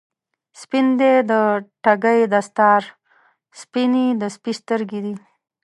سپین دی د ټګۍ دستار، سپینې د سپي سترګی دي